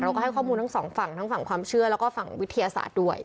ก็ให้ข้อมูลทั้งสองฝั่งทั้งฝั่งความเชื่อแล้วก็ฝั่งวิทยาศาสตร์ด้วย